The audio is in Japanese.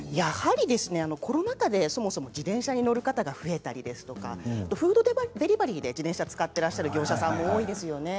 コロナ禍で自転車に乗る方が増えたりフードデリバリーで自転車を使っていらっしゃる業者さんも多いですよね。